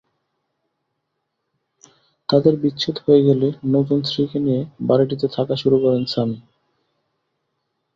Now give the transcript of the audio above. তাঁদের বিচ্ছেদ হয়ে গেলে নতুন স্ত্রীকে নিয়ে বাড়িটিতে থাকা শুরু করেন সামি।